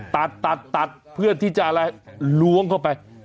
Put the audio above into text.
ตัดตัดเพื่อที่จะอะไรล้วงเข้าไป